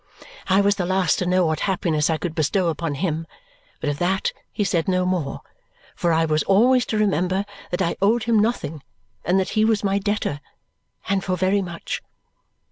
I was the last to know what happiness I could bestow upon him, but of that he said no more, for I was always to remember that I owed him nothing and that he was my debtor, and for very much.